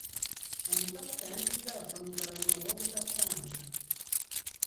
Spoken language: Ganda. Omusomesa yanenyezza basomesa banne olw'obutakkaanya.